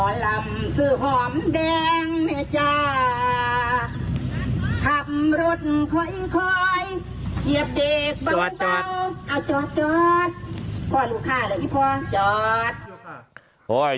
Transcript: นั่งเธอร้อยค่ะอ้อนกลิ้วจ้อสจ้อส